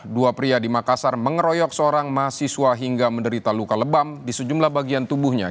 dua pria di makassar mengeroyok seorang mahasiswa hingga menderita luka lebam di sejumlah bagian tubuhnya